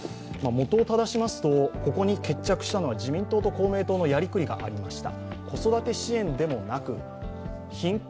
元をただしますと、ここに決着したのは自民党と公明党のやりくりがありました。